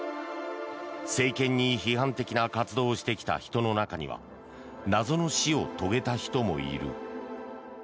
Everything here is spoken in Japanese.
政権に批判的な活動をしてきた人の中には謎の死を遂げた人もいる。